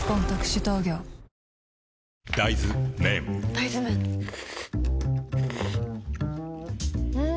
大豆麺ん？